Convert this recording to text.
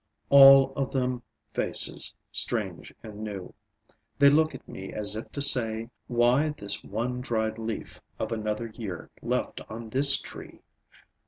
ALL of them faces strange and new. They look at me as if to say Why this one dried leaf of another year left on this tree?